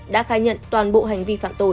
đã khai nhận toàn bộ hành vi phạm tội